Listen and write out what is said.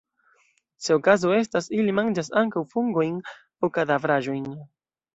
Se okazo estas, ili manĝas ankaŭ fungojn aŭ kadavraĵojn.